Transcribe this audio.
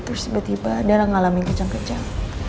terus tiba tiba adelah ngalamin kejang kejang